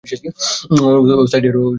ও side hero তুই কি করছিস?